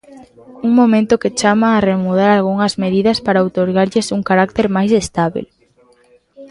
Un momento que chama a remudar algunhas medidas para outorgarlles un carácter máis estábel.